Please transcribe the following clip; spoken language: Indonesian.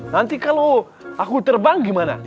nanti kalau aku terbang gimana